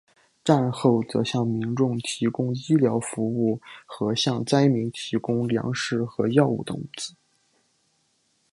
战后则向民众提供医疗服务和向灾民提供粮食和药物等物资。